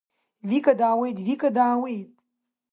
Вика даауеит, Вика даауеит!